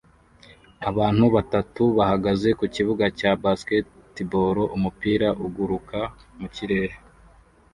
Abantu batatu bahagaze ku kibuga cya basketball umupira uguruka mu kirere